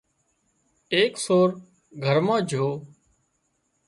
ايڪ سور گھر مان جھو